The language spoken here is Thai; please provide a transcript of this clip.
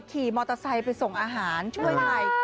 ขี่มอเตอร์ไซค์ไปส่งอาหารช่วยใคร